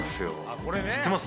知ってます？